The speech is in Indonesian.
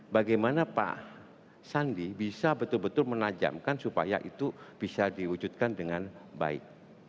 bagaimana pak sandi bisa betul betul menajamkan supaya itu bisa diwujudkan dengan baik